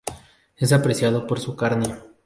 Es apreciado por su carne.